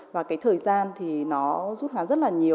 và cái thời gian thì nó rút ngắn rất là nhiều